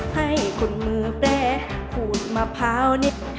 ให้คุณมือแปรขูดมะพร้าวนิด